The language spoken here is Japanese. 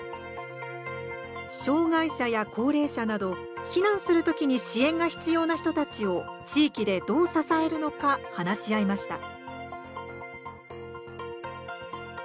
障害者や高齢者など避難するときに支援が必要な人たちを地域でどう支えるのか話し合いました。